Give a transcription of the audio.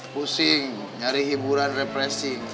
pusing nyari hiburan repressing